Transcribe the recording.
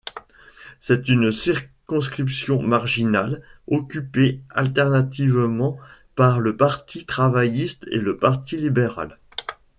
C'est une circonscription marginale, occupée alternativement par le parti travailliste et le parti libéral.